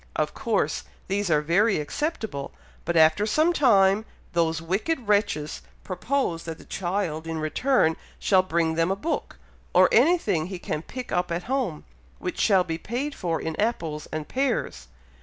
Of course these are very acceptable, but after some time, those wicked wretches propose that the child in return shall bring them a book, or anything he can pick up at home, which shall be paid for in apples and pears.